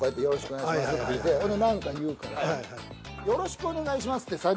よろしくお願いしますって。